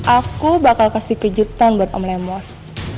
aku bakal kasih kejutan buat om lemos